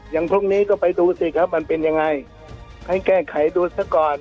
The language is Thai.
พรุ่งนี้ก็ไปดูสิครับมันเป็นยังไงให้แก้ไขดูซะก่อน